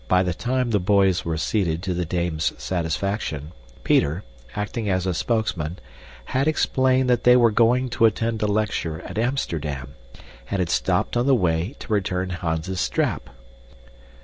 By the time the boys were seated to the dame's satisfaction, Peter, acting as a spokesman, had explained that they were going to attend a lecture at Amsterdam, and had stopped on the way to return Hans's strap.